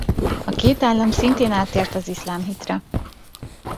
A két állam szintén áttért az iszlám hitre.